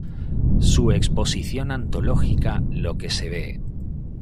Su exposición antológica "Lo que se ve.